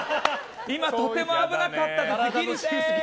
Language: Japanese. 今、とても危なかったです。